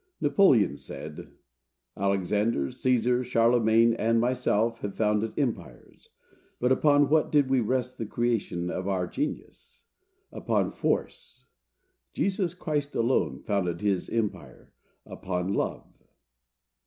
Napoleon said, "Alexander, Cæsar, Charlemagne and myself, have founded empires; but upon what did we rest the creation of our genius? Upon force. Jesus Christ alone founded his empire upon LOVE."